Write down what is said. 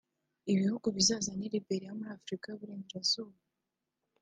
Ibihugu bizaza ni Liberia muri Afurika y’Uburengerazuba